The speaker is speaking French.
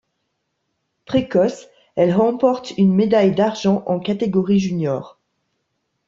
Précoce, elle remporte une médaille d'argent en catégorie junior.